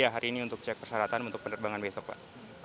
hari ini untuk cek persyaratan untuk penerbangan besok pak